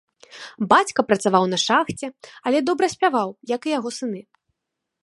Бацька працаваў на шахце, але добра спяваў, як і яго сыны.